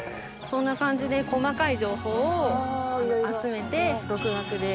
そんな感じで細かい情報を集めて独学で。